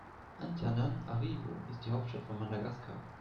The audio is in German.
Antananarivo ist die Hauptstadt von Madagaskar.